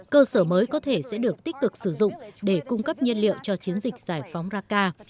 cơ sở mới có thể sẽ được tích cực sử dụng để cung cấp nhiên liệu cho chiến dịch giải phóng raka